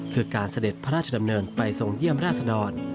คือการเสด็จพระราชดำเนินไปทรงเยี่ยมราชดร